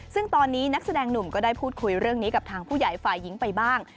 ซึ่งตอนนี้นักแสดงหนุ่มก็ได้พูดคุยเรื่องนี้กับทางผู้ใหญ่ฝ่ายหญิงไปบ้าง